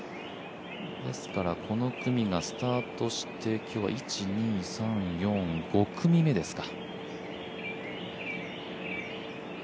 ですからこの組がスタートして今日は５組目ですか。